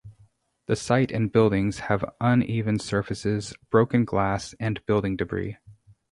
The site and buildings have uneven surfaces, broken glass, and building debris.